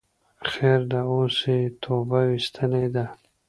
خیر ده اوس یی توبه ویستلی ده